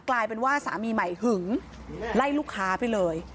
กลายเป็นว่าสามีใหม่หึงไล่ลูกค้าไปเลย